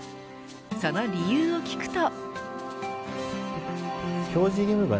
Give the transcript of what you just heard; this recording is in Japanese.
その理由を聞くと。